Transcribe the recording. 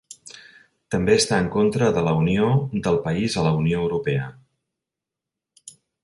També està en contra de la unió del país a la Unió Europea.